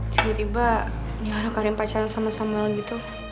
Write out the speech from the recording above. tiba tiba dia harap karin pacaran sama samuel gitu